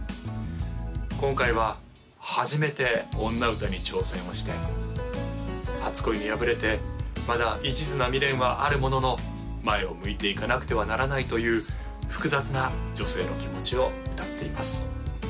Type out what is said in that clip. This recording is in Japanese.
今回は初めて女歌に挑戦をして初恋に破れてまだ一途な未練はあるものの前を向いていかなくてはならないという複雑な女性の気持ちを歌っています